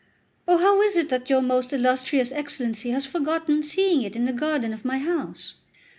Oh, how is it that your most illustrious Excellency has forgotten seeing it in the garden of my house?